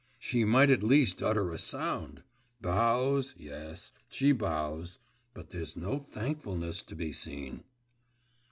she might at least utter a sound! Bows yes, she bows, but there's no thankfulness to be seen.